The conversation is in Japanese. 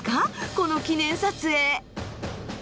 この記念撮影。